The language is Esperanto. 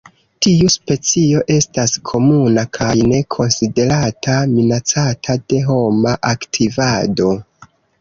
Tiu specio estas komuna kaj ne konsiderata minacata de homa aktivado.